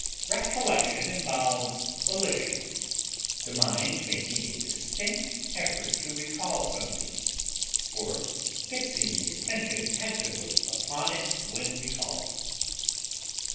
Recollection involves volition, the mind making a distinct effort to recall something, or fixing the attention actively upon it when recalled.